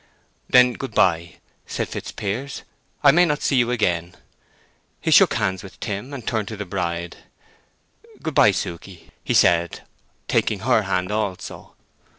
"Then good by," said Fitzpiers; "I may not see you again." He shook hands with Tim and turned to the bride. "Good by, Suke," he said, taking her hand also.